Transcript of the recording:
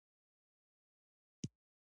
په ارام سره خوړل د هضم لپاره ګټور دي.